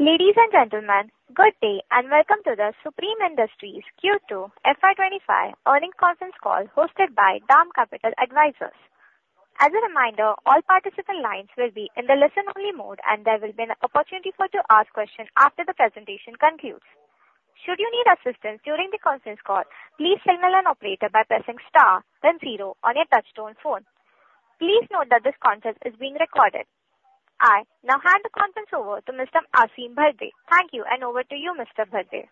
Ladies and gentlemen, good day and welcome to the Supreme Industries Q2 FY25 earnings conference call hosted by DAM Capital Advisors. As a reminder, all participant lines will be in the listen-only mode, and there will be an opportunity for you to ask questions after the presentation concludes. Should you need assistance during the conference call, please signal an operator by pressing star then zero on your touch-tone phone. Please note that this conference is being recorded. I now hand the conference over to Mr. Asim Bharde. Thank you, and over to you, Mr. Bharde.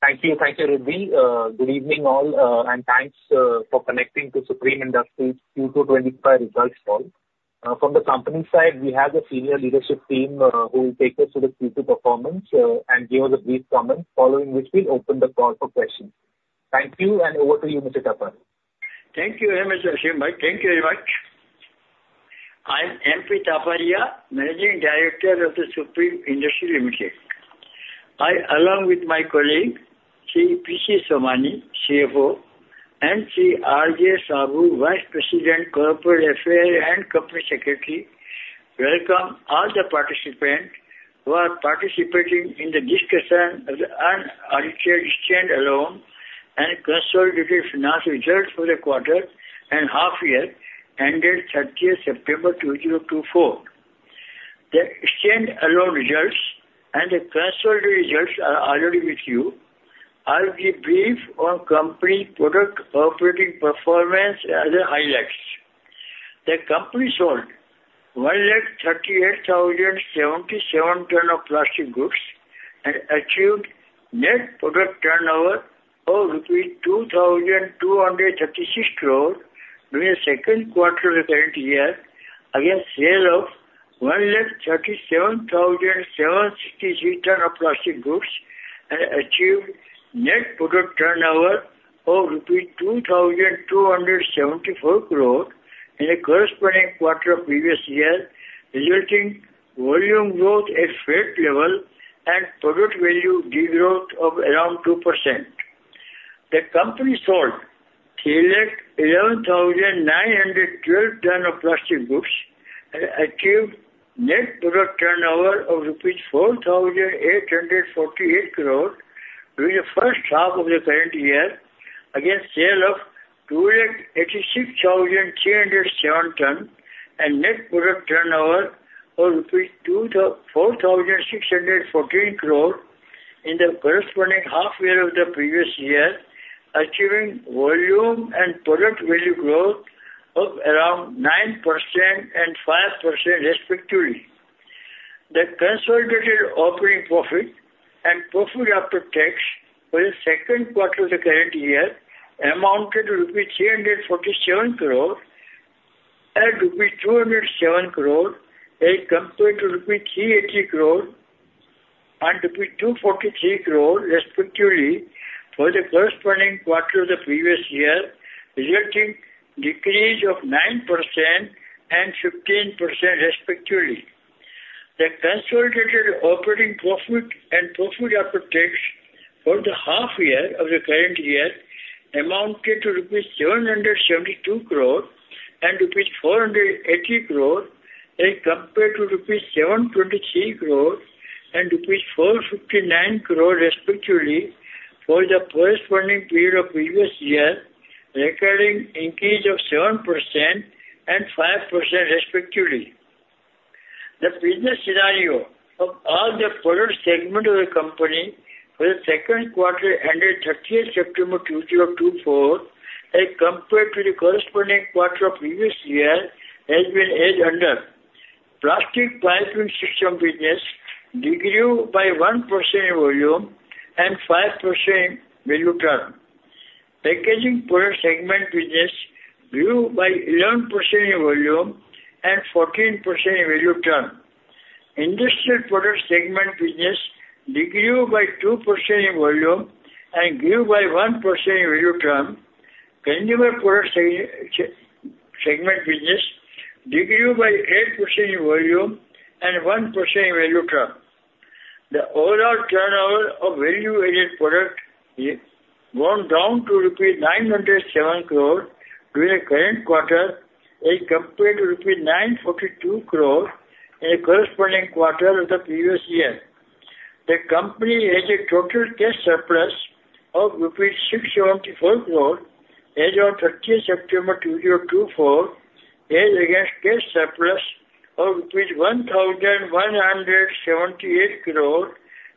Thank you. Thank you, Ridvi. Good evening, all, and thanks for connecting to Supreme Industries Q225 results call. From the company side, we have a senior leadership team who will take us through the Q2 performance and give us a brief comment, following which we'll open the call for questions. Thank you, and over to you, Mr. Taparia. Thank you, Mr. Somani. Thank you very much. I'm M.P. Taparia, Managing Director of Supreme Industries Limited. I, along with my colleague, P.C. Somani, CFO, and R.J. Saboo, Vice President, Corporate Affairs and Company Secretary, welcome all the participants who are participating in the discussion of the unadjusted standalone and consolidated financial results for the quarter and half-year ended 30th September 2024. The standalone results and the consolidated results are already with you. I'll be brief on company product operating performance and other highlights. The company sold 138,077 tons of plastic goods and achieved net product turnover of 2,236 crores during the second quarter of the current year against sales of 137,763 tons of plastic goods and achieved net product turnover of INR. 2,274 crores in the corresponding quarter of the previous year, resulting in volume growth at fair level and product value degrowth of around 2%. The company sold 311,912 tons of plastic goods and achieved net product turnover of rupees 4,848 crores during the first half of the current year against sales of 286,307 tons and net product turnover of 4,614 crores in the corresponding half-year of the previous year, achieving volume and product value growth of around 9% and 5% respectively. The consolidated operating profit and profit after tax for the second quarter of the current year amounted to rupees 347 crores and rupees 207 crores as compared to rupees 380 crores and rupees 243 crores respectively for the corresponding quarter of the previous year, resulting in a decrease of 9% and 15% respectively. The consolidated operating profit and profit after tax for the half-year of the current year amounted to rupees 772 crores and rupees 480 crores as compared to rupees 723 crores and rupees 459 crores respectively for the corresponding period of the previous year, recording an increase of 7% and 5% respectively. The business scenario of all the product segments of the company for the second quarter ended 30th September 2024 as compared to the corresponding quarter of the previous year has been as under: plastic piping system business decreased by 1% in volume and 5% in value terms. Packaging product segment business grew by 11% in volume and 14% in value terms. Industrial product segment business decreased by 2% in volume and grew by 1% in value terms. Consumer product segment business decreased by 8% in volume and 1% in value terms. The overall turnover of value-added product went down to rupees 907 crores during the current quarter as compared to rupees 942 crores in the corresponding quarter of the previous year. The company has a total cash surplus of INR 674 crores as of 30th September 2024, as against cash surplus of rupees 1,178 crores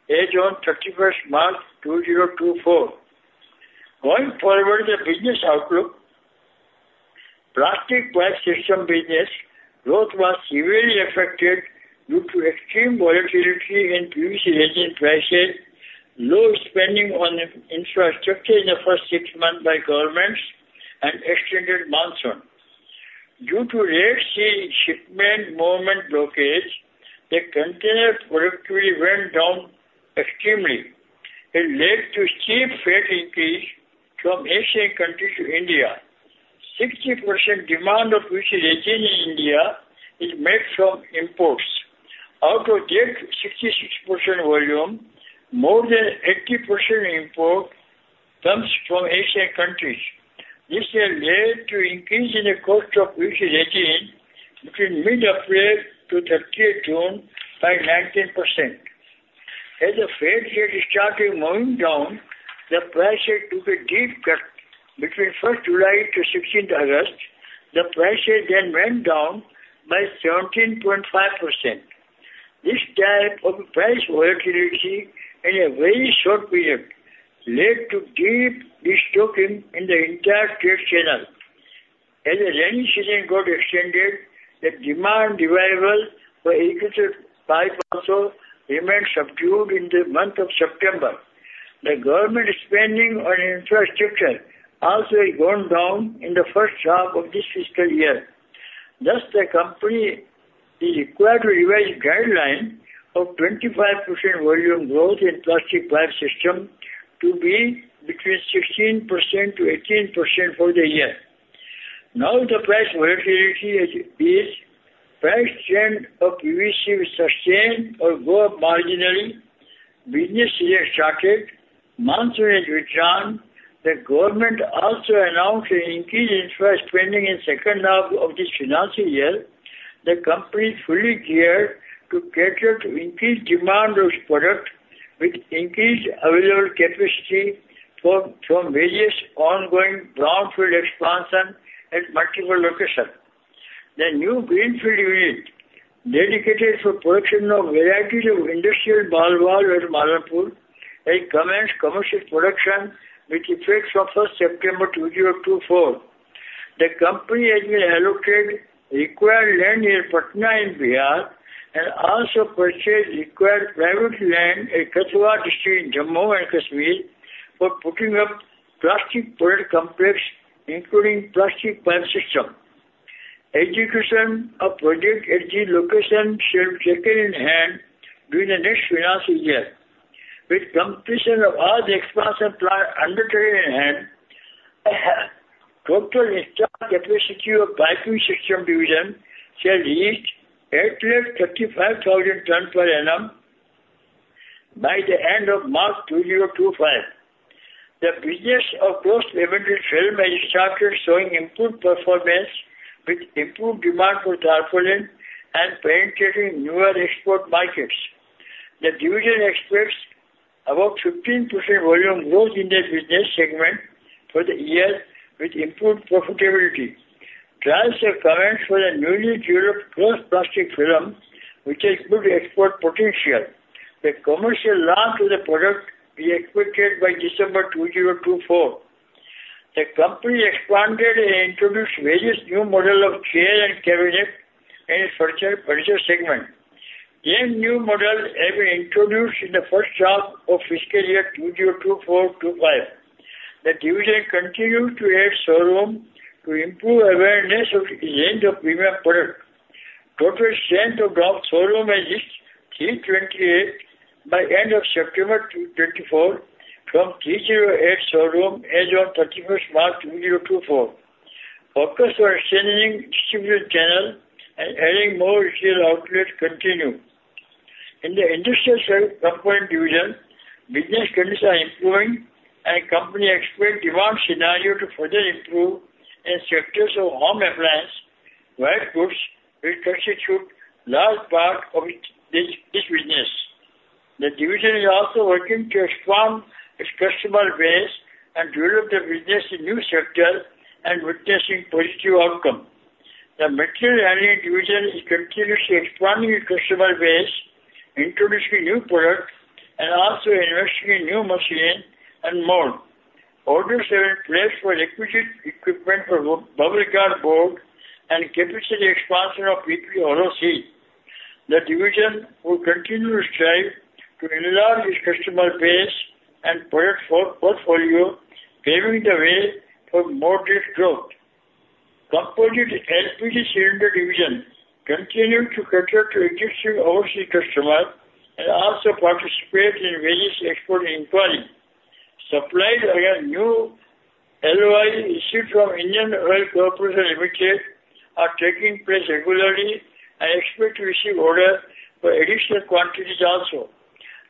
as of 31st March 2024. Going forward, the business outlook: plastic pipe system business growth was severely affected due to extreme volatility in previously risen prices, low spending on infrastructure in the first six months by governments, and extended monsoon. Due to late-season shipment movement blockage, the container productivity went down extremely. It led to a steep freight increase from Asian countries to India. 60% demand of UC18 in India is made from imports. Out of that 66% volume, more than 80% import comes from Asian countries. This has led to an increase in the cost of UC18 between mid-April to 30th June by 19%. As the freight rate started moving down, the prices took a deep cut between 1st July to 16th August. The prices then went down by 17.5%. This type of price volatility in a very short period led to de-stocking in the entire trade channel. As the rainy season got extended, the demand for agri pipe also remained subdued in the month of September. The government spending on infrastructure also has gone down in the first half of this fiscal year. Thus, the company is required to revise the guideline of 25% volume growth in plastic piping system to be between 16%-18% for the year. Now, the price volatility is price trend of UVC will sustain or go up marginally. Business has restarted. Monsoon has withdrawn. The government also announced an increase in infrastructure spending in the second half of this financial year. The company is fully geared to cater to increased demand of its product with increased available capacity from various ongoing brownfield expansions at multiple locations. The new greenfield unit dedicated for production of varieties of industrial ball valves has commenced commercial production effective from 1st September 2024. The company has been allocated required land near Patna in Bihar and also purchased required private land at Kathua district in Jammu and Kashmir for putting up plastic product complex, including plastic piping system. Execution of project at the location shall be taken in hand during the next financial year. With completion of all the expansion plans undertaken in hand, total installed capacity of piping system division shall reach 835,000 tons per annum by the end of March 2025. The business of post-event film has started showing improved performance with improved demand for tarpaulin and penetrating newer export markets. The division expects about 15% volume growth in the business segment for the year with improved profitability. Trends are coming for the newly developed cloth plastic film, which has good export potential. The commercial launch of the product will be expected by December 2024. The company expanded and introduced various new models of chairs and cabinets in its furniture segment. These new models have been introduced in the first half of fiscal year 2024-25. The division continues to add showrooms to improve awareness of the range of premium products. Total strength of showrooms has reached 328 by end of September 2024 from 308 showrooms as of 31st March 2024. Focus on extending distribution channels and adding more retail outlets continues. In the industrial component division, business conditions are improving, and the company expects demand scenarios to further improve in sectors of home appliance, white goods, which constitute a large part of this business. The division is also working to expand its customer base and develop the business in new sectors and witnessing positive outcomes. The material handling division is continuously expanding its customer base, introducing new products, and also investing in new machines and more. Orders have been placed for requisite equipment for bubble guard boards and capacity expansion of EP ROC. The division will continue to strive to enlarge its customer base and product portfolio, paving the way for more rate growth. Composite LPG cylinder division continues to cater to existing overseas customers and also participates in various export inquiries. Supplies against new LOIs issued from Indian Oil Corporation Limited are taking place regularly and expect to receive orders for additional quantities also.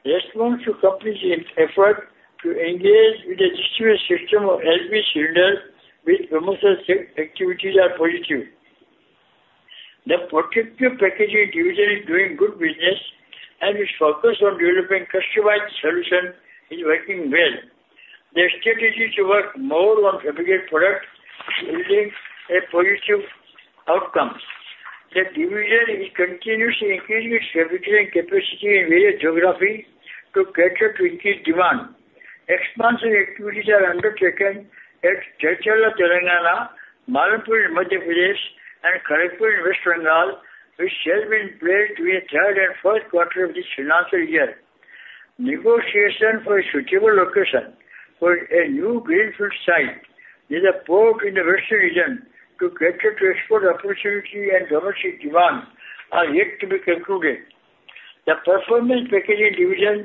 Response to the company's effort to engage with the distribution system of LPG cylinders with commercial activities is positive. The protective packaging division is doing good business, and its focus on developing customized solutions is working well. The strategy to work more on fabricated products is yielding positive outcomes. The division is continuously increasing its fabrication capacity in various geographies to cater to increased demand. Expansion activities are undertaken at Jadcherla, Telangana, Malanpur in Madhya Pradesh, and Kharagpur in West Bengal, which shall be in place during the third and fourth quarter of this financial year. Negotiations for a suitable location for a new greenfield site near the port in the western region to cater to export opportunity and domestic demand are yet to be concluded. The Protective Packaging division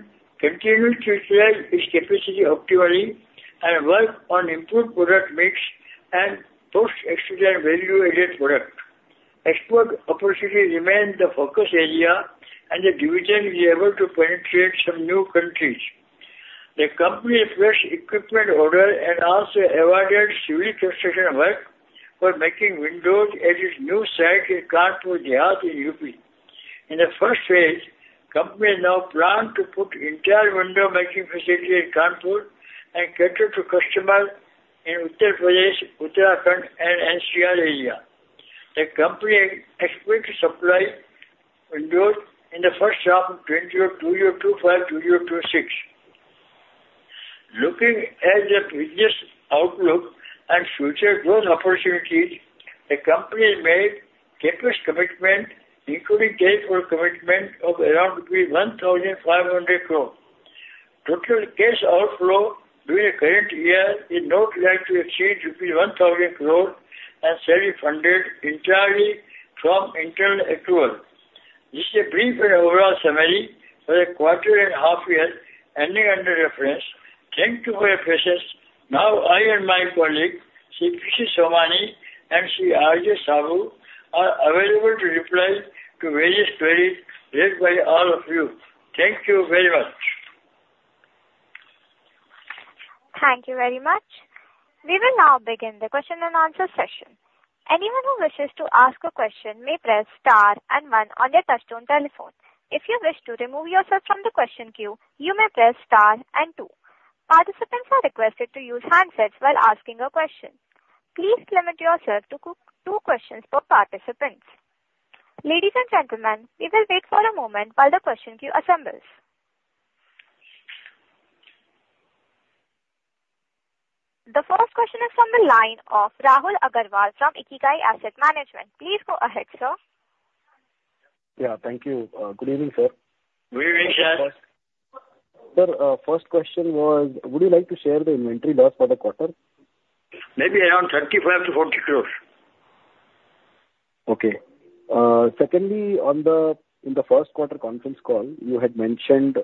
continues to utilize its capacity optimally and work on improved product mix and cost-efficient value-added product. Export opportunity remains the focus area, and the division is able to penetrate some new countries. The company has placed equipment orders and also awarded civil construction work for making windows at its new site in Kanpur Dehat in UP. In the first phase, the company is now planning to put up entire window-making facility in Kanpur and cater to customers in Uttar Pradesh, Uttarakhand, and NCR area. The company expects to supply windows in the first half of 2025-2026. Looking at the business outlook and future growth opportunities, the company has made capital commitments, including CapEx commitments of around 1,500 crores. Total cash outflow during the current year is not likely to exceed rupees 1,000 crores and shall be funded entirely from internal accrual. This is a brief and overall summary for the quarter and half-year ending under reference. Thank you for your patience. Now, I and my colleague, P. C. Somani, and R. J. Sabu, are available to reply to various queries raised by all of you. Thank you very much. Thank you very much. We will now begin the question and answer session. Anyone who wishes to ask a question may press star and one on their touch-tone telephone. If you wish to remove yourself from the question queue, you may press star and two. Participants are requested to use handsets while asking a question. Please limit yourself to two questions per participant. Ladies and gentlemen, we will wait for a moment while the question queue assembles. The first question is from the line of Rahul Agarwal from Ikigai Asset Management. Please go ahead, sir. Yeah, thank you. Good evening, sir. Good evening, sir. Sir, first question was, would you like to share the inventory loss for the quarter? Maybe around 35-40 crores. Okay. Secondly, in the first quarter conference call, you had mentioned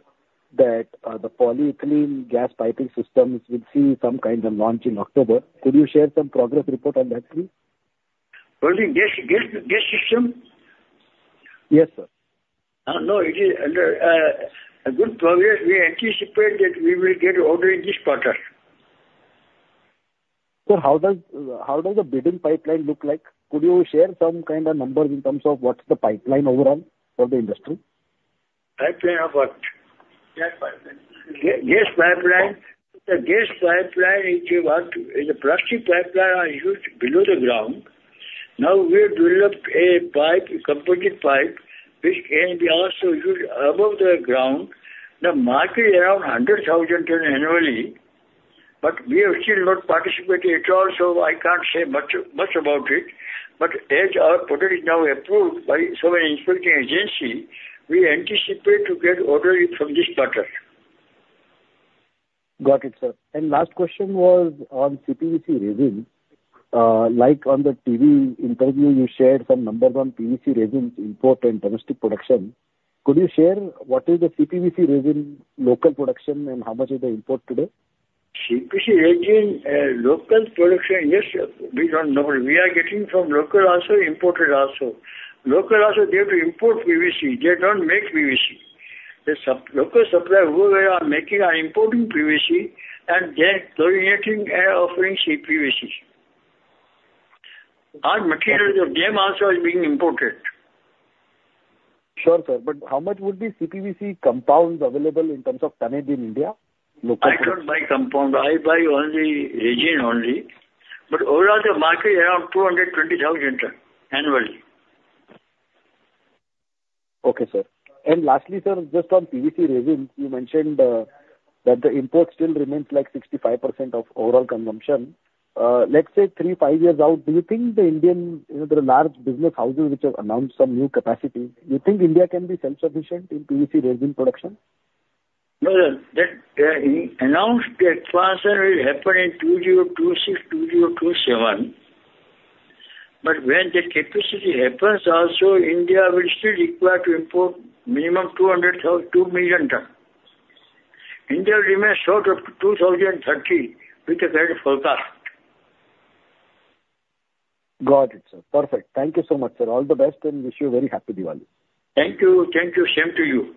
that the polyethylene gas piping systems will see some kind of launch in October. Could you share some progress report on that, please? Only gas system? Yes, sir. No, it is a good progress. We anticipate that we will get order in this quarter. Sir, how does the bidding pipeline look like? Could you share some kind of numbers in terms of what's the pipeline overall for the industry? Pipeline of what? Gas pipeline. Gas pipeline. The gas pipeline is a plastic pipeline used below the ground. Now, we have developed a pipe, a composite pipe, which can be also used above the ground. The market is around 100,000 tonnes annually, but we have still not participated at all, so I can't say much about it. But as our product is now approved by the sovereign inspecting agency, we anticipate to get order from this quarter. Got it, sir. And last question was on CPVC resin. Like on the TV interview, you shared some numbers on PVC resin's import and domestic production. Could you share what is the CPVC resin local production and how much is the import today? CPVC resin local production, yes, sir. We don't know. We are getting from local also imported also. Local also there to import PVC. They don't make PVC. The local supplier whoever are making are importing PVC and then chlorinating and offering CPVC. Our material then also is being imported. Sure, sir. But how much would be CPVC compounds available in terms of tonnes in India? I don't buy compound. I buy only resin only. But overall, the market is around 220,000 tonnes annually. Okay, sir. And lastly, sir, just on PVC resin, you mentioned that the import still remains like 65% of overall consumption. Let's say three, five years out, do you think the Indian, the large business houses which have announced some new capacity, do you think India can be self-sufficient in PVC resin production? No, no. They announced the expansion will happen in 2026, 2027. But when the capacity happens also, India will still require to import minimum 200,000, 2 million tonnes. India remains short of 2030 with the current forecast. Got it, sir. Perfect. Thank you so much, sir. All the best and wish you a very happy Diwali. Thank you. Thank you. Same to you.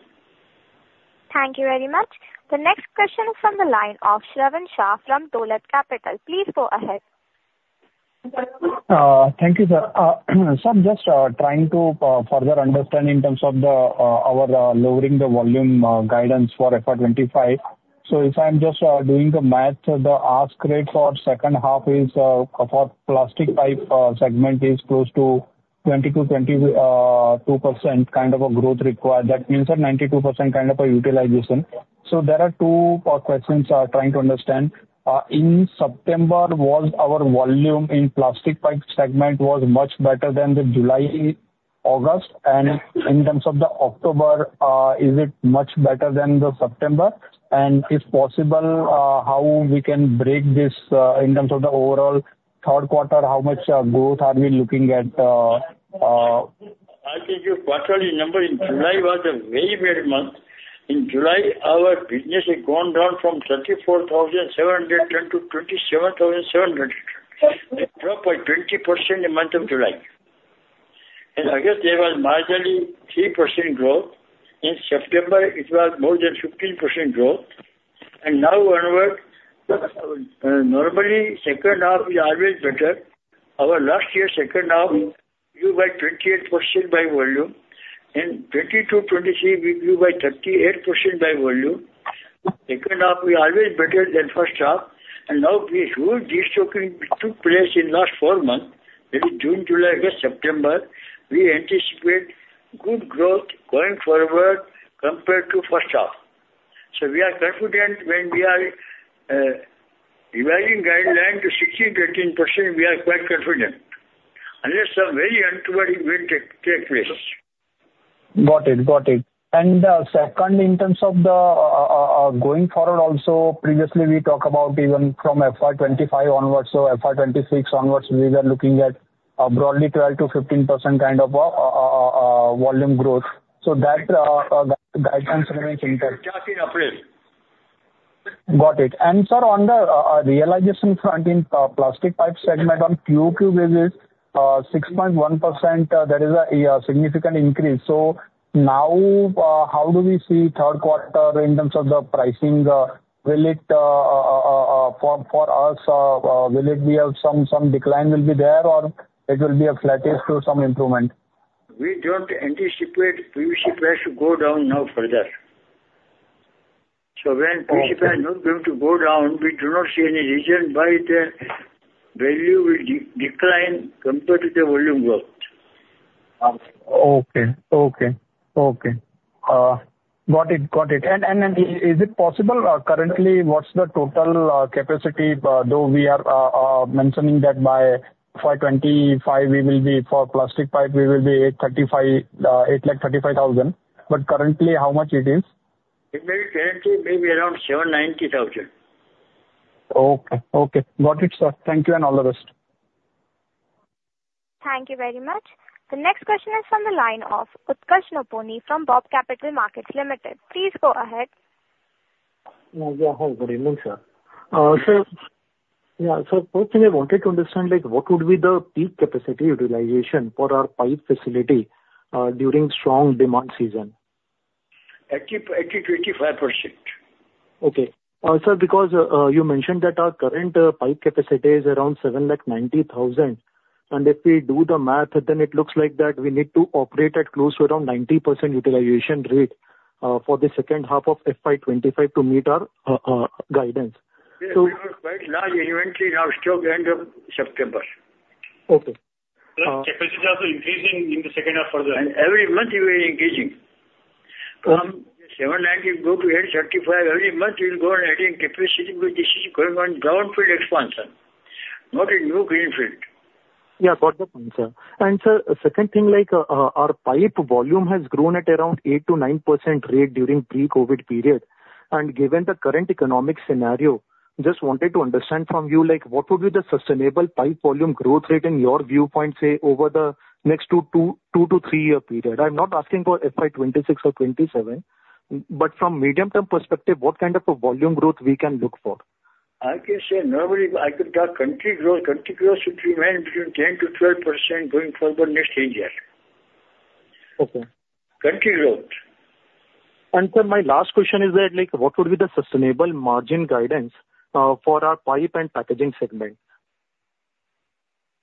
Thank you very much. The next question is from the line of Shravan Shah from Dolat Capital. Please go ahead. Thank you, sir. Sir, I'm just trying to further understand in terms of our lowering the volume guidance for FY25. So if I'm just doing the math, the ask rate for second half is for plastic pipe segment is close to 22%-22% kind of a growth required. That means that 92% kind of a utilization. So there are two questions I'm trying to understand. In September, was our volume in plastic pipe segment much better than the July, August? And in terms of the October, is it much better than the September? And if possible, how we can break this in terms of the overall third quarter, how much growth are we looking at? I'll tell you. Quarterly number in July was a very bad month. In July, our business had gone down from 34,710 to 27,700. It dropped by 20% in the month of July, and I guess there was marginally 3% growth. In September, it was more than 15% growth, and now onward, normally second half is always better. Our last year second half grew by 28% by volume. In 2022, 2023, we grew by 38% by volume. Second half is always better than first half, and now, through this talking took place in the last four months, that is June, July, August, September, we anticipate good growth going forward compared to first half, so we are confident when we are revising guideline to 16, 13%, we are quite confident. Unless some very untoward event takes place. Got it. Got it. And second, in terms of the going forward also, previously we talked about even from FY25 onwards, so FY25 onwards, we were looking at broadly 12%-15% kind of volume growth. So that guidance remains intact. Got it. And sir, on the realization front in plastic pipe segment, on Q-on-Q basis, 6.1%, that is a significant increase. So now, how do we see third quarter in terms of the pricing? Will it form for us? Will it be some decline will be there or it will be a flattest to some improvement? We don't anticipate PVC price to go down now further. So when PVC price is not going to go down, we do not see any reason why the value will decline compared to the volume growth. Okay. Okay. Okay. Got it. Got it. Is it possible currently what's the total capacity, though we are mentioning that by FY25 we will be for plastic pipe, we will be 835,000? But currently, how much it is? It may be currently maybe around 790,000. Okay. Okay. Got it, sir. Thank you and all the best. Thank you very much. The next question is from the line of Utkarsh Nopany from BOB Capital Markets Limited. Please go ahead. Yeah, good evening, sir. Sir, yeah, sir, first thing I wanted to understand, what would be the peak capacity utilization for our pipe facility during strong demand season? Actually, 25%. Okay. Sir, because you mentioned that our current pipe capacity is around 790,000. And if we do the math, then it looks like that we need to operate at close to around 90% utilization rate for the second half of FY25 to meet our guidance. So, now eventually by end of September. Okay. Capacity also increasing in the second half further. Every month we are increasing. From 790 go to 835 every month, we'll go on adding capacity because this is going on brownfield expansion, not a new greenfield. Yeah, got that one, sir. Sir, second thing, our pipe volume has grown at around 8-9% rate during pre-COVID period. Given the current economic scenario, just wanted to understand from you, what would be the sustainable pipe volume growth rate in your viewpoint, say, over the next two- to three-year period? I'm not asking for FY26 or 27, but from medium-term perspective, what kind of a volume growth we can look for? I can say normally I could talk country growth. Country growth should remain between 10-12% going forward next three years. Okay. Country growth. Sir, my last question is that what would be the sustainable margin guidance for our pipe and packaging segment?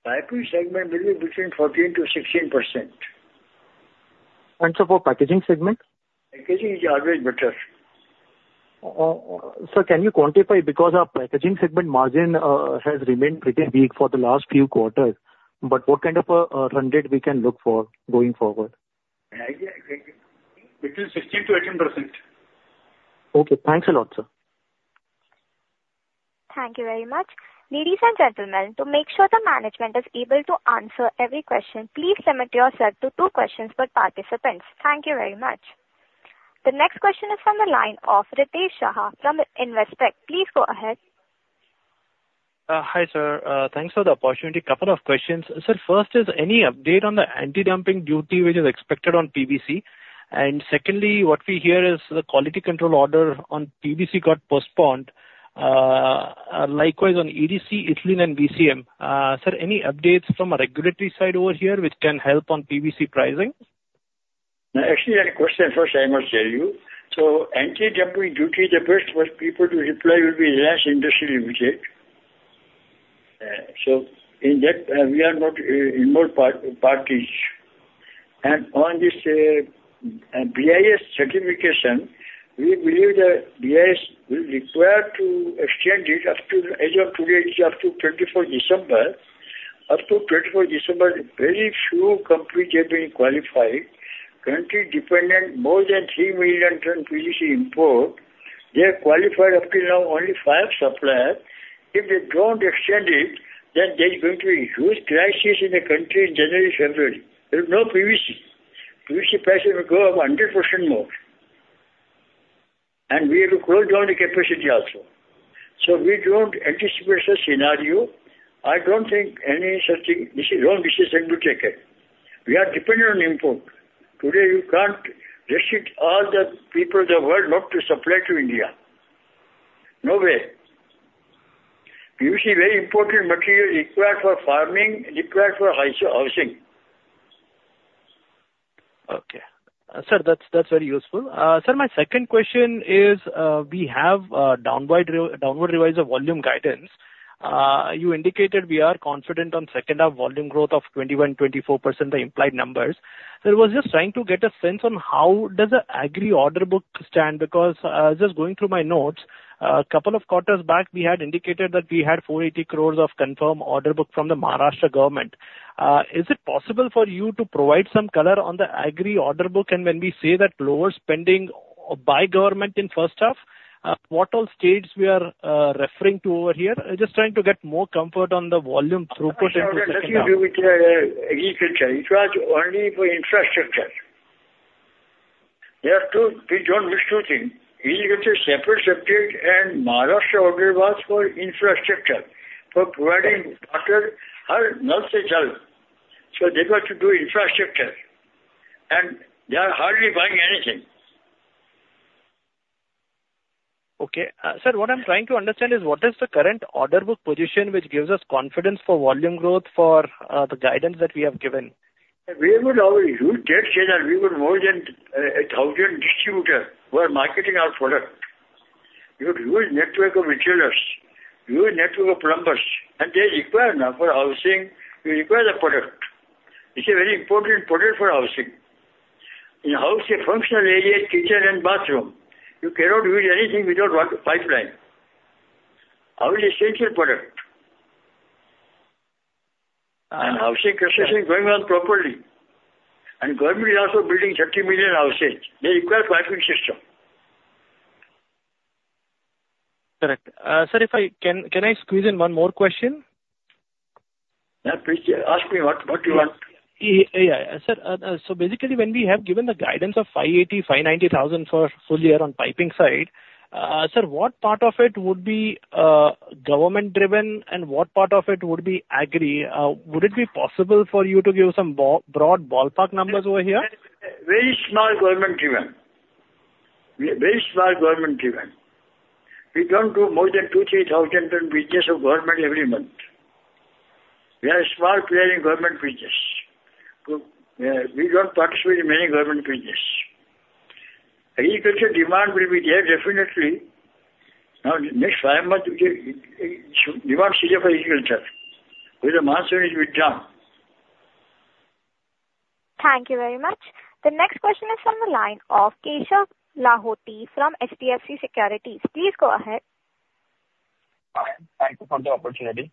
Piping segment will be between 14%-16%. And so for packaging segment? Packaging is always better. Sir, can you quantify because our packaging segment margin has remained pretty weak for the last few quarters, but what kind of a run rate we can look for going forward? Between 16%-18%. Okay. Thanks a lot, sir. Thank you very much. Ladies and gentlemen, to make sure the management is able to answer every question, please limit yourself to two questions per participant. Thank you very much. The next question is from the line of Ritesh Shah from Investec. Please go ahead. Hi sir. Thanks for the opportunity. Couple of questions. Sir, first is any update on the anti-dumping duty which is expected on PVC? And secondly, what we hear is the quality control order on PVC got postponed. Likewise on EDC, ethylene, and VCM. Sir, any updates from a regulatory side over here which can help on PVC pricing? Actually, I have a question first I must tell you. So anti-dumping duty, the first people to reply will be Astral Limited. So in that, we are not involved parties. And on this BIS certification, we believe the BIS will require to extend it up to as of today, it is up to 24 December. Up to 24 December, very few companies have been qualified. Country-dependent, more than three million tonnes PVC import. They are qualified up till now only five suppliers. If they don't extend it, then there's going to be huge crisis in the country in January-February. There is no PVC. PVC price will go up 100% more. We have to close down the capacity also. We don't anticipate such scenario. I don't think any such long decision will be taken. We are dependent on import. Today, you can't restrict all the people of the world not to supply to India. No way. PVC, very important material required for farming, required for housing. Okay. Sir, that's very useful. Sir, my second question is we have downward revised volume guidance. You indicated we are confident on second half volume growth of 21%-24%, the implied numbers. Sir, I was just trying to get a sense on how does the agri order book stand because just going through my notes, a couple of quarters back, we had indicated that we had 480 crores of confirmed order book from the Maharashtra government. Is it possible for you to provide some color on the agri order book and when we say that lower spending by government in first half, what all states we are referring to over here? Just trying to get more comfort on the volume throughput into second half. Agri sector, it was only for infrastructure. There are two, we don't miss two things. Agri sector, separate subject, and Maharashtra order was for infrastructure. For providing water, health. So they got to do infrastructure. And they are hardly buying anything. Okay. Sir, what I'm trying to understand is what is the current order book position which gives us confidence for volume growth for the guidance that we have given? We would have a huge debt shedder. We would have more than 1,000 distributors who are marketing our product. You would lose network of retailers, lose network of plumbers. They require now for housing. You require the product. It's a very important product for housing. In housing, functional area, kitchen, and bathroom. You cannot use anything without pipeline. Our essential product. Housing construction going on properly. Government is also building 30 million houses. They require piping system. Correct. Sir, if I can, can I squeeze in one more question? Ask me what you want. Yeah. Sir, so basically when we have given the guidance of 580-590,000 for full year on piping side, sir, what part of it would be government-driven and what part of it would be agri? Would it be possible for you to give some broad ballpark numbers over here? Very small government-driven. Very small government-driven. We don't do more than 2-3 thousand tons business of government every month. We are a small player in government business. We don't participate in many government business. Agriculture demand will be there definitely. Now, next five months, demand is here for agriculture. With the monsoon, it will be down. Thank you very much. The next question is from the line of Keshav Lahoti from HDFC Securities. Please go ahead. Thank you for the opportunity.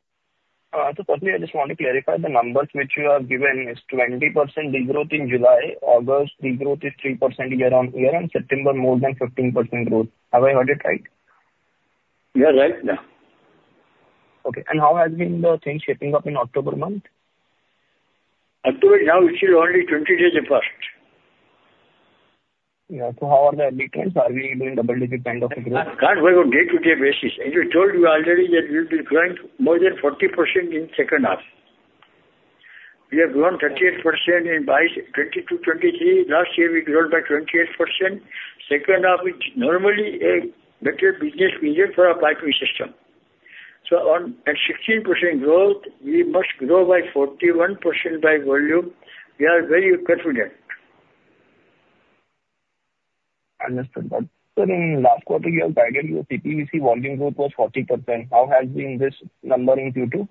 So firstly, I just want to clarify the numbers which you have given. It's 20% degrowth in July, August, degrowth is 3% year on year, and September more than 15% growth. Have I heard it right? You are right now. Okay. And how has been the things shaping up in October month? October now, it is only 20 days the first. Yeah. So how are the details? Are we doing double-digit kind of growth? Can't work on day-to-day basis. As I told you already, that we'll be growing more than 40% in second half. We have grown 38% in 2022, 2023. Last year, we grown by 28%. Second half is normally a better business period for our piping system. So on 16% growth, we must grow by 41% by volume. We are very confident. Understood. But in last quarter, you have guided your CPVC volume growth was 40%. How has this number increased to?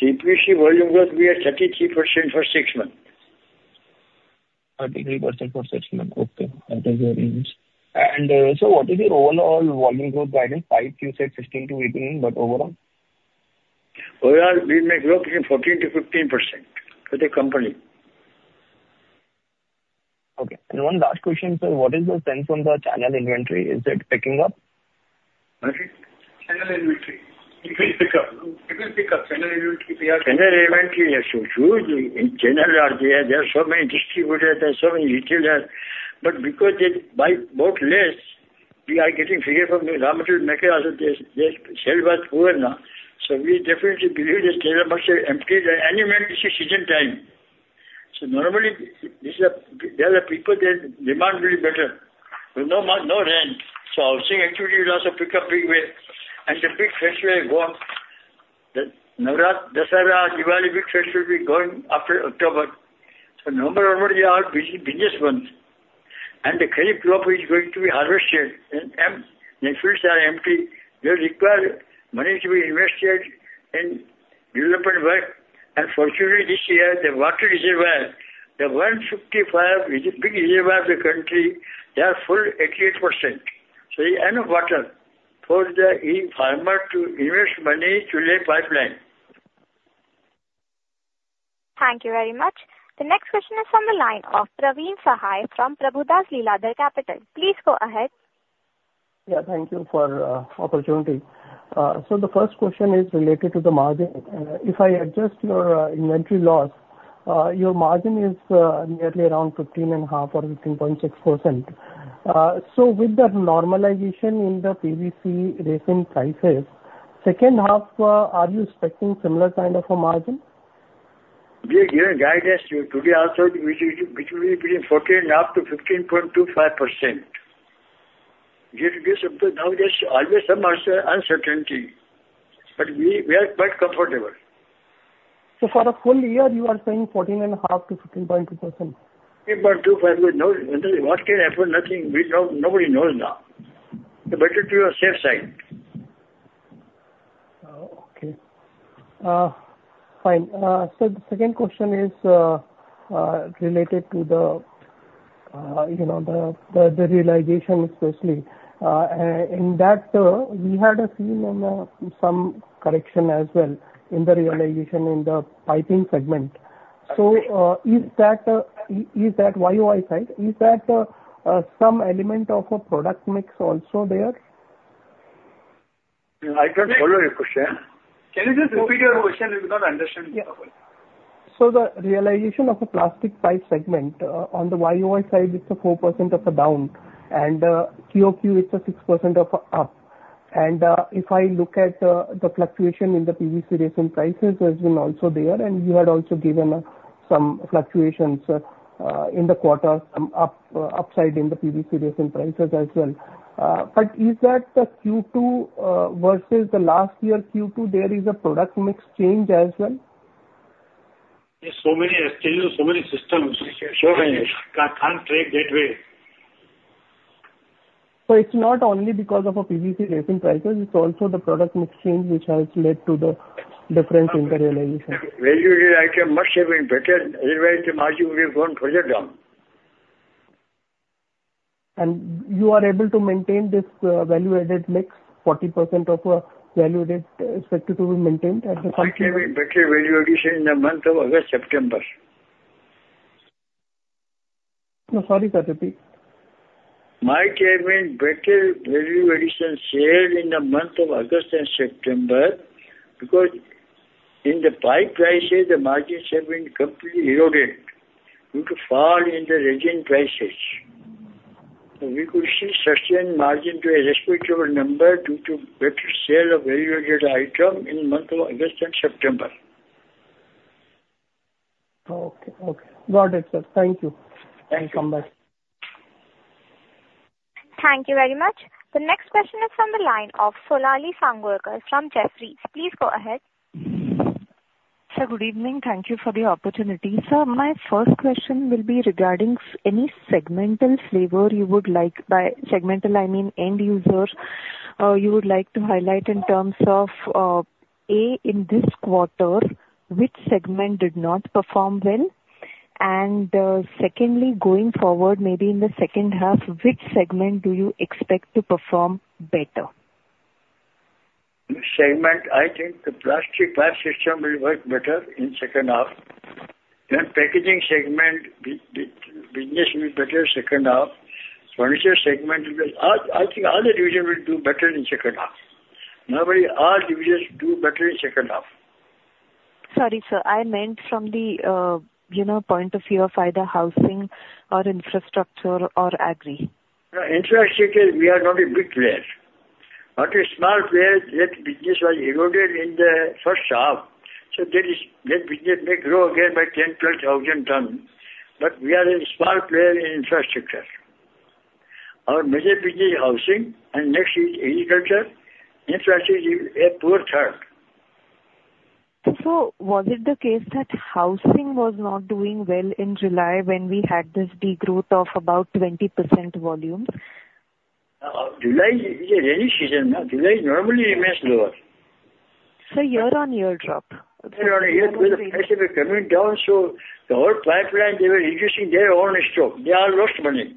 CPVC volume growth, we are 33% for six months. 33% for six months. Okay. That is very interesting. And sir, what is your overall volume growth guidance? Pipe, you said 16%-18%, but overall? Overall, we may grow between 14%-15% for the company. Okay. And one last question, sir. What is the sense on the channel inventory? Is it picking up? Channel inventory. It will pick up. It will pick up. Channel inventory, they are. Channel inventory is huge. In general, there are so many distributors, there are so many retailers. But because they bought less, we are getting figures from the raw material makers that their sales were poor now. So we definitely believe that sales must be emptied at any moment this season time. So normally, there are people that demand will be better. There's no rent. So housing actually will also pick up big way. And the big festivals are going. The Navratri, Dasara, Diwali big festivals will be going after October. So November, November, they are all business months. And the kharif crop is going to be harvested. And fields are empty. They require money to be invested in development work. And fortunately, this year, the water reservoir, the 155 big reservoirs of the country, they are full 88%. So they have enough water for the farmer to invest money to lay pipeline. Thank you very much. The next question is from the line of Praveen Sahai from Prabhudas Lilladher. Please go ahead. Yeah. Thank you for the opportunity. Sir, the first question is related to the margin. If I adjust your inventory loss, your margin is nearly around 15 and a half or 15.6%. So with that normalization in the PVC resin prices, second half, are you expecting similar kind of a margin? We are given guidance to be outside between 14 and up to 15.25%. Now, there's always some uncertainty. But we are quite comfortable. So for the full year, you are saying 14 and a half to 15.2%? 15.25% with no what can happen, nothing. Nobody knows now. Better to your safe side. Okay. Fine. Sir, the second question is related to the realization especially. In that, we had seen some correction as well in the realization in the piping segment. So is that YoY side? Is that some element of a product mix also there? I can't follow your question. Can you just repeat your question? I do not understand. Sir, the realization of the plastic pipe segment on the YoY side, it's 4% down. And QoQ, it's 6% up. And if I look at the fluctuation in the PVC resin prices, there's been also there. And you had also given some fluctuations in the quarter, upside in the PVC resin prices as well. But is that the Q2 versus the last year Q2, there is a product mix change as well? There's so many SKUs, so many systems. So many. Can't track that way. So it's not only because of PVC resin prices, it's also the product mix change which has led to the difference in the realization. Value added item must have been better. Otherwise, the margin would have gone further down. And you are able to maintain this value-added mix, 40% of value-added expected to be maintained at the company? Might have been better value-addition in the month of August, September. No, sorry, sir. Repeat. Might have been better value-addition sale in the month of August and September because in the pipe prices, the margins have been completely eroded due to fall in the resin prices. So we could see sustained margin to a respectable number due to better sale of value-added item in the month of August and September. Okay. Okay. Got it, sir. Thank you. Thank you. Thank you. Thank you very much. The next question is from the line of Sonali Salgaonkar from Jefferies. Please go ahead. Sir, good evening. Thank you for the opportunity. Sir, my first question will be regarding any segmental flavor you would like, by segmental I mean end user, you would like to highlight in terms of A, in this quarter, which segment did not perform well? And secondly, going forward, maybe in the second half, which segment do you expect to perform better? Segment, I think the plastic pipe system will work better in second half. Then packaging segment, business will be better second half. Furniture segment, I think all the divisions will do better in second half. Normally, all divisions do better in second half. Sorry, sir. I meant from the point of view of either housing or infrastructure or agri. Infrastructure, we are not a big player. But as a small player, that business was eroded in the first half. So that business may grow again by 10-12 thousand tons. But we are a small player in infrastructure. Our major business is housing. And next is agriculture. Infrastructure is a poor third. So, was it the case that housing was not doing well in July when we had this degrowth of about 20% volume? July is a rainy season. July normally remains lower. Sir, year on year drop. Year on year, with the prices coming down, so the whole pipeline, they were reducing their own stock. They all lost money.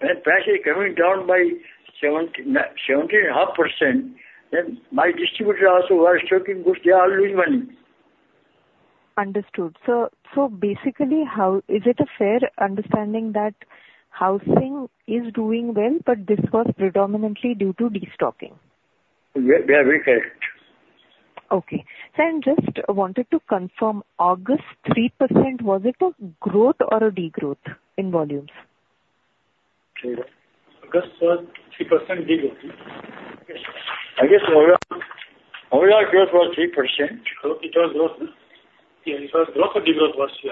When prices are coming down by 17.5%, then my distributors also were stocking goods. They all lose money. Understood. Sir, so basically, is it a fair understanding that housing is doing well, but this was predominantly due to destocking? You are very correct. Okay. Sir, I just wanted to confirm, August 3%, was it a growth or a degrowth in volumes? August was 3% degrowth. I guess overall growth was 3%. It was growth. Yeah, it was growth or degrowth was 3%.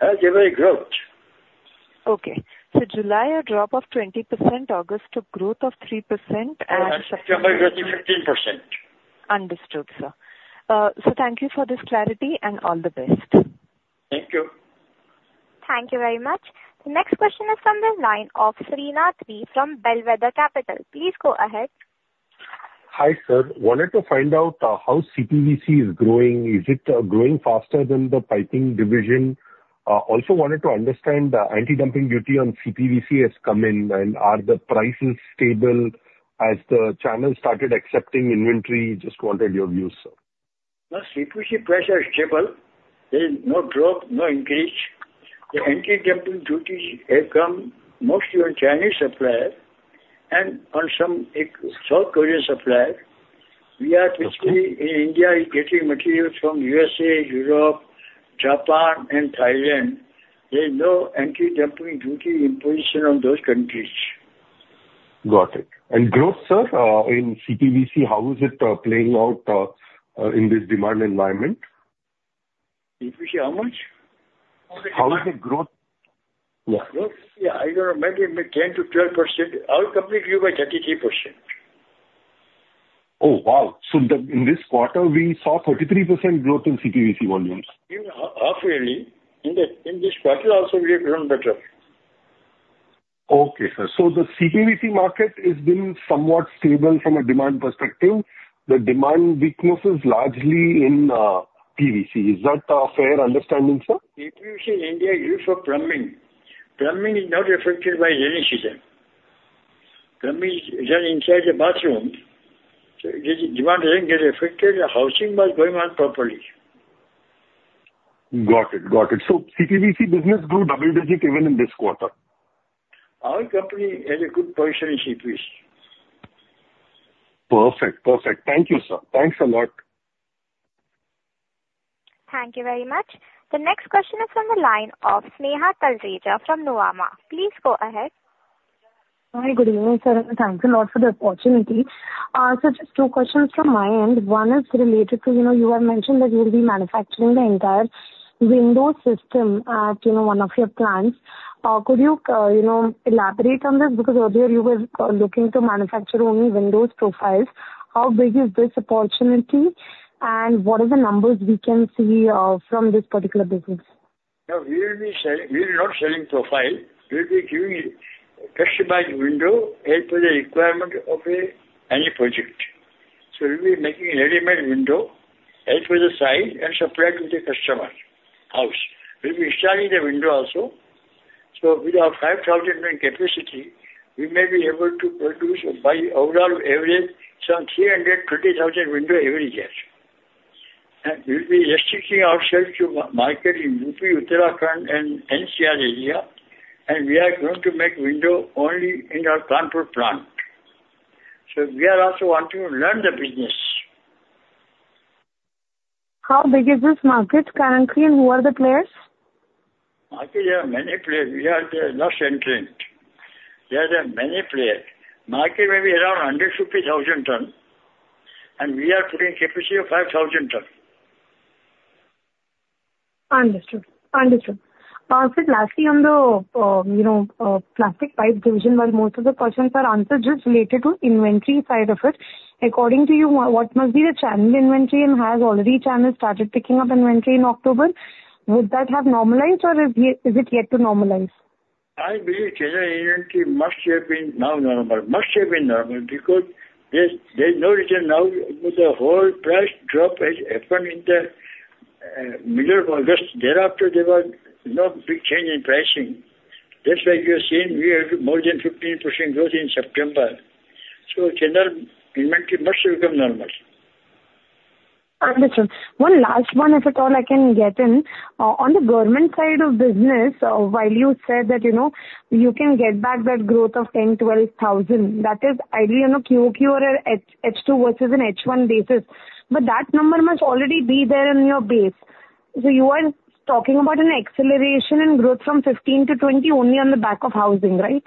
As every growth. Okay. So, July a drop of 20%, August a growth of 3%, and September growth is 15%. Understood, sir. Sir, thank you for this clarity and all the best. Thank you. Thank you very much. The next question is from the line of Sreenath V. from Bellwether Capital. Please go ahead. Hi sir. Wanted to find out how CPVC is growing. Is it growing faster than the piping division? Also wanted to understand the anti-dumping duty on CPVC has come in and are the prices stable as the channel started accepting inventory. Just wanted your views, sir. Now, CPVC price is stable. There is no drop, no increase. The anti-dumping duties have come mostly on Chinese suppliers and on some South Korean suppliers. We are particularly in India getting materials from USA, Europe, Japan, and Thailand. There is no anti-dumping duty imposition on those countries. Got it. And growth, sir, in CPVC, how is it playing out in this demand environment? CPVC, how much? How is the growth? Yeah. Growth, yeah, I don't know. Maybe 10%-12%. Our company grew by 33%. Oh, wow. So in this quarter, we saw 33% growth in CPVC volumes. Half yearly. In this quarter also, we have grown better. Okay, sir. So the CPVC market has been somewhat stable from a demand perspective. The demand weakness is largely in PVC. Is that a fair understanding, sir? CPVC in India is used for plumbing. Plumbing is not affected by rainy season. Plumbing is done inside the bathroom. So the demand doesn't get affected. The housing was going on properly. Got it. Got it. So CPVC business grew double-digit even in this quarter. Our company has a good position in CPVC. Perfect. Perfect. Thank you, sir. Thanks a lot. Thank you very much. The next question is from the line of Sneha Talreja from Nuvama Please go ahead. Hi, good evening, sir. Thanks a lot for the opportunity. Sir, just two questions from my end. One is related to you have mentioned that you will be manufacturing the entire window system at one of your plants. Could you elaborate on this? Because earlier, you were looking to manufacture only window profiles. How big is this opportunity? And what are the numbers we can see from this particular business? We will be selling not selling profile. We will be giving customized window as per the requirement of any project. We will be making a ready-made window as per the size and supplied to the customer's house. We will be installing the window also, so with our 5,000 capacity, we may be able to produce by overall average some 320,000 windows every year, and we will be restricting ourselves to the market in UP, Uttarakhand, and NCR area, and we are going to make windows only in our plant in Kanpur, so we are also wanting to learn the business. How big is this market currently? And who are the players? Market, there are many players. We are the last entrant. There are many players. Market may be around 150,000 tons. And we are putting capacity of 5,000 tons. Understood. Sir, lastly, on the plastic pipe division, while most of the questions are answered, just related to inventory side of it, according to you, what must be the channel inventory? And has already channel started picking up inventory in October? Would that have normalized, or is it yet to normalize? I believe channel inventory must have been now normalized. Must have been normalized because there's no return now. The whole price drop has happened in the middle of August. Thereafter, there was no big change in pricing. That's why you are seeing we have more than 15% growth in September. So channel inventory must have become normalized. Understood. One last one, if at all I can get in. On the government side of business, while you said that you can get back that growth of 10, 12 thousand, that is ideally on a QOQ or an H2 versus an H1 basis. But that number must already be there in your base. So you are talking about an acceleration in growth from 15 to 20 only on the back of housing, right?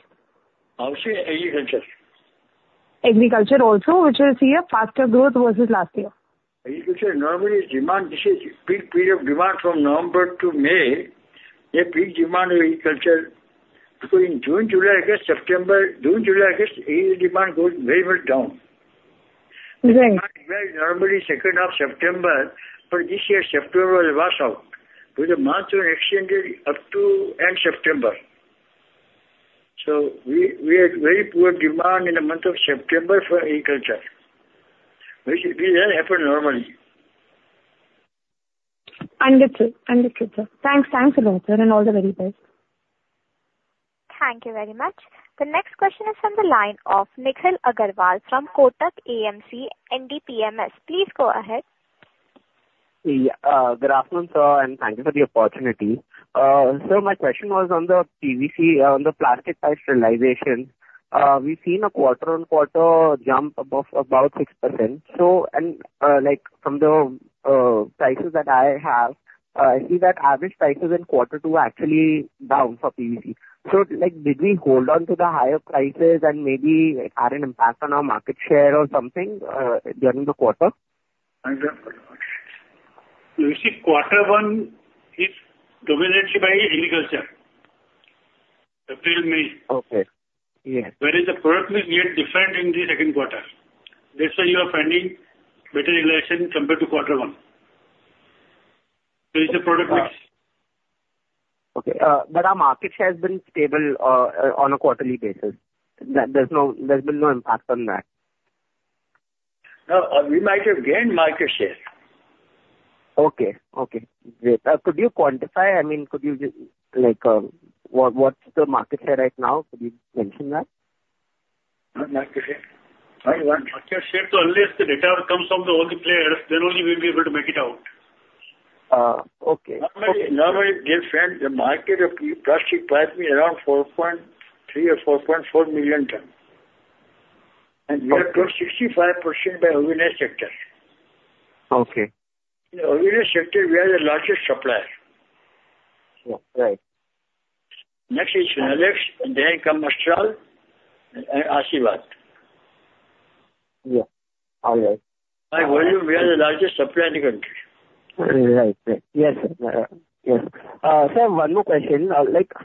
Housing, agriculture. Agriculture also, which is here faster growth versus last year? Agriculture normally is demand. This is a big period of demand from November to May. There's a big demand in agriculture. Because in June, July, August, September, June, July, August, agriculture demand goes very much down. Right. We are normally second half September, but this year September was a washout. Because the monsoon extended up to end September. So we had very poor demand in the month of September for agriculture. Which doesn't happen normally. Understood. Understood, sir. Thanks. Thanks a lot, sir, and all the very best. Thank you very much. The next question is from the line of Nikhil Agarwal from Kotak AMC. Please go ahead. Good afternoon, sir, and thank you for the opportunity. Sir, my question was on the PVC, on the plastic pipe realization. We've seen a quarter-on-quarter jump of about 6%. So, and from the prices that I have, I see that average prices in quarter two are actually down for PVC. So, did we hold on to the higher prices and maybe had an impact on our market share or something during the quarter? Thank you. You see, quarter one is dominated by agriculture. April, May. Okay. Yes. Whereas the product mix is different in the second quarter. That's why you are finding better realization compared to quarter one. There is a product mix. Okay. But our market share has been stable on a quarterly basis. There's been no impact on that. Now, we might have gained market share. Okay. Okay. Great. Could you quantify? I mean, could you just what's the market share right now? Could you mention that? Not market share. I want market share to unless the data comes from the only players, then only we'll be able to make it out. Okay. Normally, they've said the market of plastic pipe is around 4.3 or 4.4 million tons. And we are holding 65% of the organized sector. Okay. In the organized sector, we are the largest supplier. Yeah. Right. Next is Finolex, and then come Astral and Ashirvad. Yeah. All right. By volume, we are the largest supplier in the country. Right. Right. Yes, sir. Yes. Sir, one more question.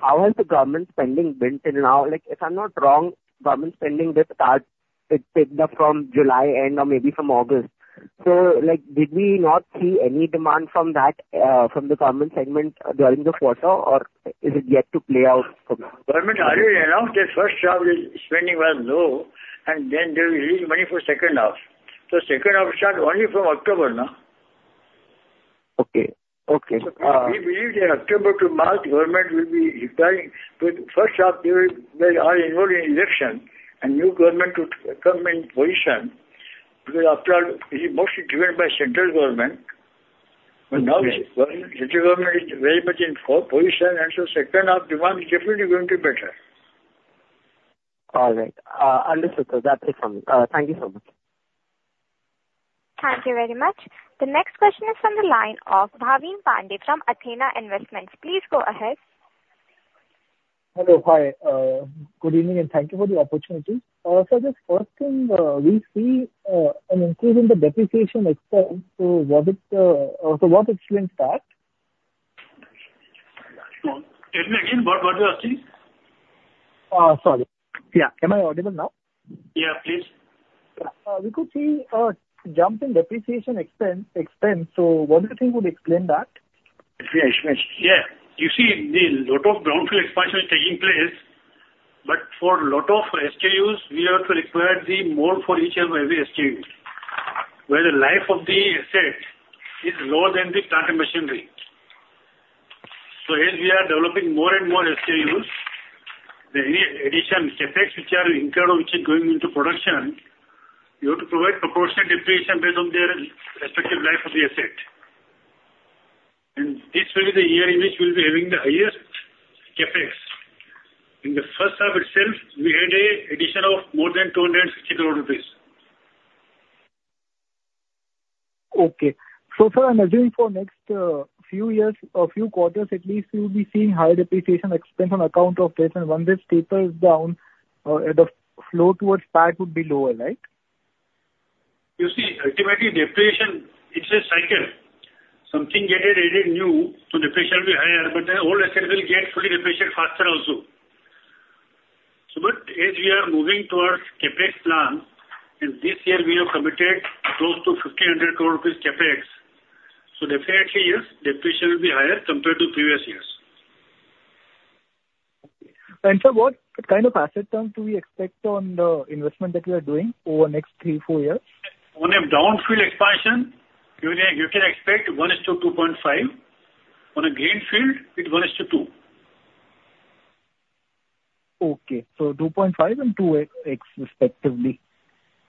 How has the government spending been till now? If I'm not wrong, government spending did start, it picked up from July end or maybe from August. So did we not see any demand from that, from the government segment during the quarter, or is it yet to play out? Government already announced that first half spending was low, and then they will release money for second half. So second half starts only from October, no? Okay. Okay. We believe that October to March, government will be requiring first half, they will be involved in election and new government to come in position. Because Astral is mostly driven by central government. But now, central government is very much in position, and so second half demand is definitely going to be better. All right. Understood, sir. That's it from me. Thank you so much. Thank you very much. The next question is from the line of Bhavin Pandey from Athena Investments. Please go ahead. Hello. Hi. Good evening and thank you for the opportunity. Sir, just first thing, we see an increase in the depreciation expense. So what explains that? Tell me again, what do you see? Sorry. Yeah. Am I audible now? Yeah, please. We could see a jump in depreciation expense. So what do you think would explain that? Explain. Yeah. You see, a lot of brownfield expansion is taking place. But for a lot of SKUs, we have to require the molds for each and every SKU, where the life of the asset is lower than the plant and machinery. So as we are developing more and more SKUs, the additional CapEx, which are incredible, which is going into production, we have to provide proportionate depreciation based on their respective life of the asset. This will be the year in which we'll be having the highest CapEx. In the first half itself, we had an addition of more than 260 crore rupees. Okay. So, sir, I'm assuming for next few years, a few quarters at least, we will be seeing higher depreciation expense on account of this. And once this tapers down, the flow towards PAC would be lower, right? You see, ultimately, depreciation, it's a cycle. Something gets added new, so depreciation will be higher. But the old asset will get fully depreciated faster also. But as we are moving towards CapEx plan, and this year we have committed close to 1,500 crore rupees CapEx, so definitely, yes, depreciation will be higher compared to previous years. And sir, what kind of asset terms do we expect on the investment that we are doing over the next three, four years? On a brownfield expansion, you can expect 1:2.5. On a greenfield, it's 1:2. Okay. So 2.5 and 2X respectively.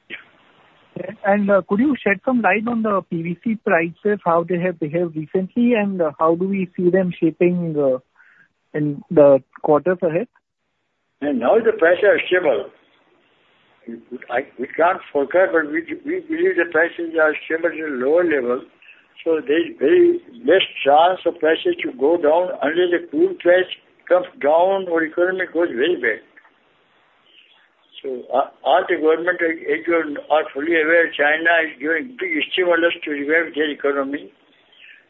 Yeah. And could you shed some light on the PVC prices, how they have behaved recently, and how do we see them shaping in the quarters ahead? And now the prices are stable. We can't forecast, but we believe the prices are stable at a lower level. So there's very less chance of prices to go down unless the crude oil comes down or the economy goes very bad. So, overall, as you are fully aware, China is giving big stimulus to revive their economy.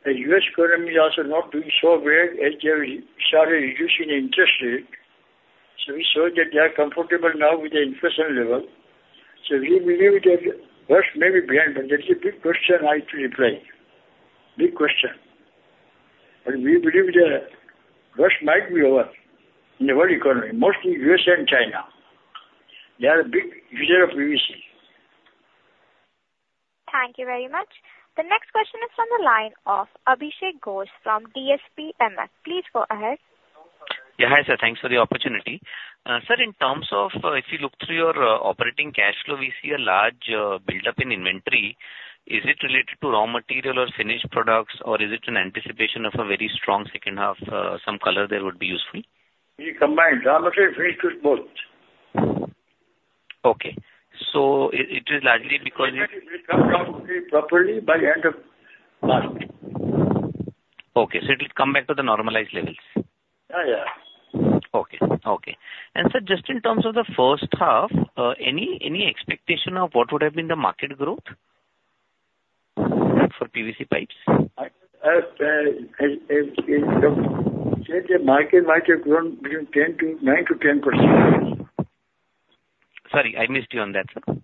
The U.S. economy is also not doing so well as they started reducing interest rates. So we saw that they are comfortable now with the inflation level. We believe that the worst may be behind, but that is a big question I have to reply. Big question. But we believe the worst might be over in the world economy, mostly U.S. and China. They are a big user of PVC. Thank you very much. The next question is from the line of Abhishek Ghosh from DSP Mutual Fund. Please go ahead. Yeah. Hi, sir. Thanks for the opportunity. Sir, in terms of if you look through your operating cash flow, we see a large buildup in inventory. Is it related to raw material or finished products, or is it an anticipation of a very strong second half? Some color there would be useful. We combined raw material finished goods both. Okay. So it is largely because it will come down properly by the end of March. Okay. So it will come back to the normalized levels. Yeah. Yeah. Okay. And sir, just in terms of the first half, any expectation of what would have been the market growth for PVC pipes? The market might have grown between 9% to 10%. Sorry, I missed you on that, sir.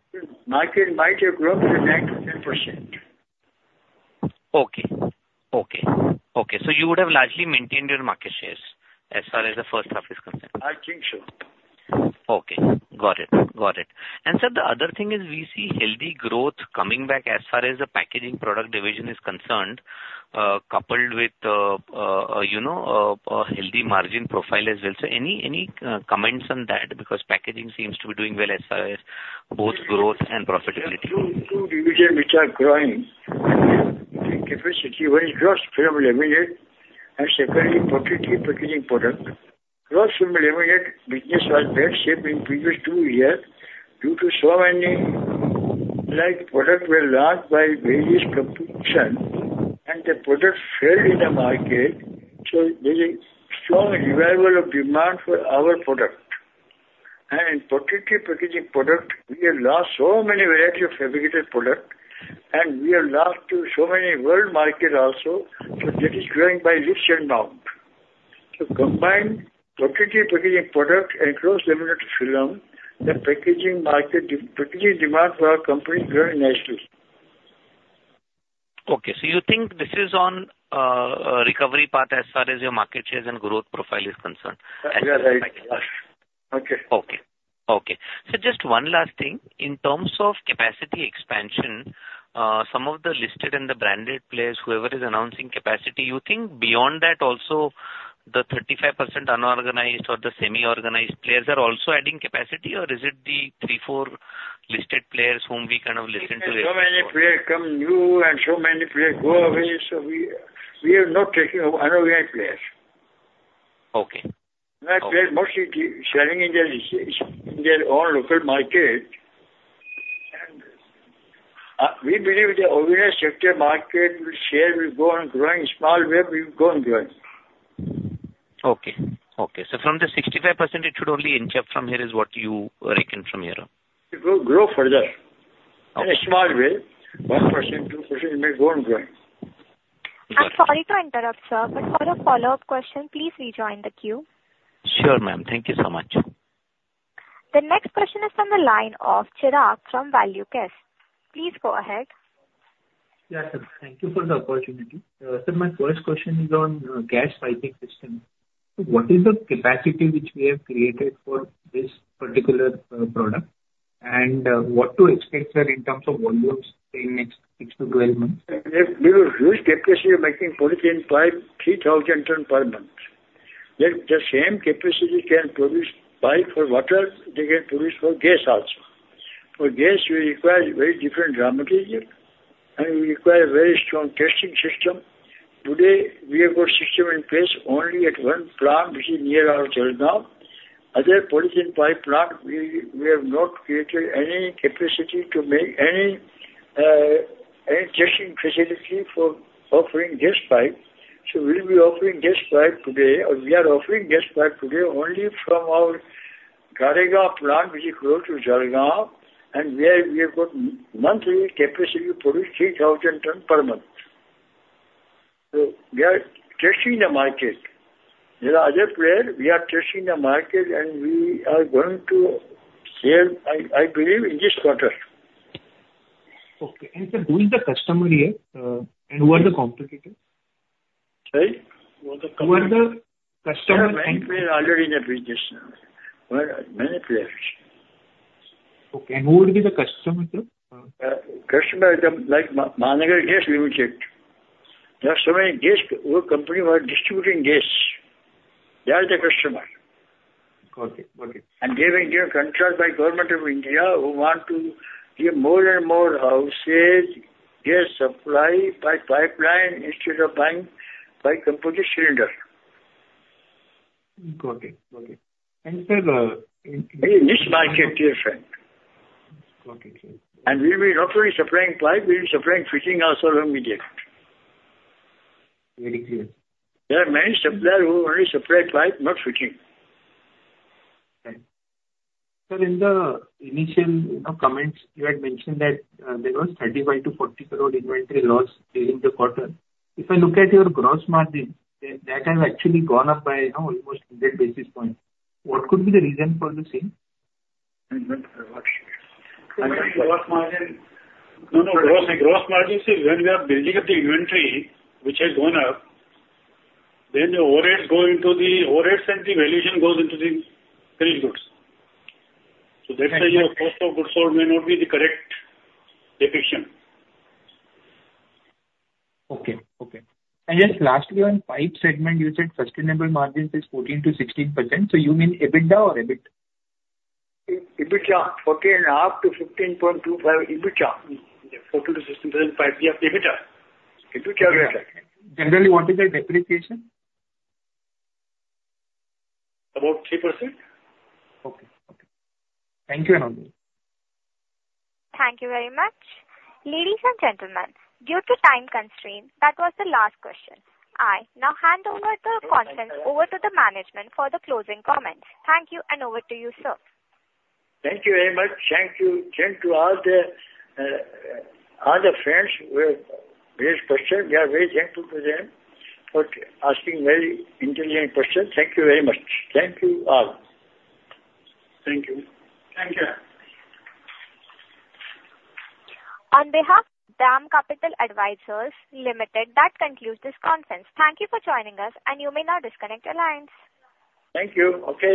Market might have grown 9% to 10%. Okay. So you would have largely maintained your market shares as far as the first half is concerned? I think so. Okay. Got it. And sir, the other thing is we see healthy growth coming back as far as the packaging product division is concerned, coupled with a healthy margin profile as well. So any comments on that? Because packaging seems to be doing well as far as both growth and profitability. Two divisions which are growing in capacity: one is the Plastic Piping System and secondly, packaging product. Our consumer products business was in bad shape in the previous two years due to so many products were launched by various competitors, and the products failed in the market. So there is a strong revival of demand for our products. And in packaging products, we have lots of varieties of fabricated products, and we have lots in so many world markets also. So that is growing by leaps and bounds. So combined packaging products and cross-laminated film, the packaging market demand for our company is growing nicely. Okay. So you think this is on a recovery path as far as your market shares and growth profile is concerned? Yeah. Right. Okay. Okay. Okay. Sir, just one last thing. In terms of capacity expansion, some of the listed and the branded players, whoever is announcing capacity, you think beyond that also the 35% unorganized or the semi-organized players are also adding capacity, or is it the three, four listed players whom we kind of listen to? So many players come new, and so many players go away. So we are not taking on unorganized players. Okay. Mostly selling in their own local market. And we believe the organized sector market share will go on growing small way, will go on growing. Okay. Okay. So from the 65%, it should only inch up from here is what you reckon from here? It will grow further. In a small way, 1%, 2% may go on growing. I'm sorry to interrupt, sir, but for a follow-up question, please rejoin the queue. Sure, ma'am. Thank you so much. The next question is from the line of Chadha from ValueQuest. Please go ahead. Yes, sir. Thank you for the opportunity. Sir, my first question is on gas piping system. What is the capacity which we have created for this particular product, and what to expect, sir, in terms of volumes in the next six to 12 months? We have huge capacity of making polythene pipe 3,000 tons per month. The same capacity can produce pipe for water. They can produce for gas also. For gas, we require very different raw material, and we require a very strong testing system. Today, we have got system in place only at one plant which is near our. Other polythene pipe plant, we have not created any capacity to make any testing facility for offering gas pipe. So we'll be offering gas pipe today, or we are offering gas pipe today only from our Gadegaon plant which is close to Tiradhan, and where we have got monthly capacity to produce 3,000 tons per month. So we are testing the market. There are other players. We are testing the market, and we are going to sell, I believe, in this quarter. Okay. And sir, who is the customer here? And who are the competitors? Who are the customer? Many players are already in the business. Many players. Okay. And who would be the customer? Customer is like Mahanagar Gas Limited. There are so many gas company who are distributing gas. They are the customer. Okay. Okay. And sir, who want to give more and more houses gas supply by pipeline instead of buying LPG cylinder? In this market, dear friend. Okay. And we will not only be supplying pipe, we will be supplying fitting also immediately. Very clear. There are many suppliers who only supply pipe, not fitting. Sir, in the initial comments, you had mentioned that there was 35-40 crore inventory loss during the quarter. If I look at your gross margin, that has actually gone up by almost 100 basis points. What could be the reason for this? Gross margin? No, no. Gross margin says when we are building up the inventory, which has gone up, then the overheads go into the overheads and the valuation goes into the finished goods. So that's why your cost of goods sold may not be the correct depiction. Okay. Okay. And just lastly, on pipe segment, you said sustainable margin says 14%-16%. So you mean EBITDA or EBIT? EBITDA. 14.5-15.25 EBITDA. 14%-16% pipe. We have EBITDA. EBITDA we have. Generally, what is the depreciation? About 3%. Okay. Okay. Thank you and all. Thank you very much. Ladies and gentlemen, due to time constraints, that was the last question. I now hand over the conference over to the management for the closing comments. Thank you and over to you, sir. Thank you very much. Thank you. Thank you to all the friends who have raised questions. We are very thankful to them for asking very intelligent questions. Thank you very much. Thank you all. Thank you. Thank you. On behalf of DAM Capital Advisors, that concludes this conference. Thank you for joining us, and you may now disconnect your lines. Thank you. Okay.